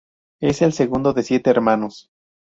Es el segundo de siete hermanos.